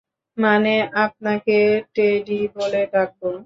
মানে, আপনাকে টেডি বলে ডাকব?